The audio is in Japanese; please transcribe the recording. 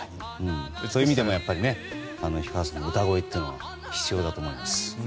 そういう意味でも氷川さんの歌声は必要だと思います。